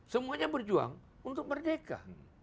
semuanya berjuang untuk merdeka